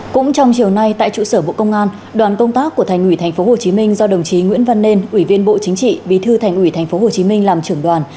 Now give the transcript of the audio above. cũng trong chiều nay tại trụ sở bộ công an đoàn công tác của thành ủy tp hcm do đồng chí nguyễn văn nên ủy viên bộ chính trị bí thư thành ủy tp hcm làm trưởng đoàn